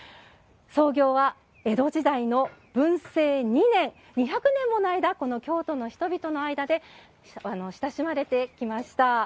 創業は江戸時代の文政２年２００年もの間京都の人々の間で親しまれてきました。